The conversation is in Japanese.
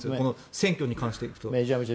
選挙に関していくと。